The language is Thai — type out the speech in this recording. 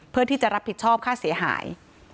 เพื่อที่จะรับผิดชอบค่าเสียหาย